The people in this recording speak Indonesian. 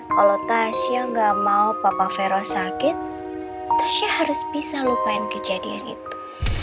kalau tasya gak mau papa vero sakit tasya harus bisa lupain kejadian itu